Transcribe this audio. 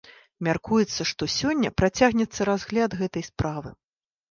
Мяркуецца, што сёння працягнецца разгляд гэтай справы.